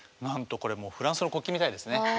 なんとこれフランスの国旗みたいですね。